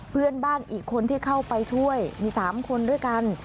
เพื่อนบ้านอีกคนที่เข้าไปช่วยมี๓คนด้วยกัน